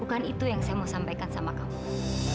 bukan itu yang saya mau sampaikan sama kamu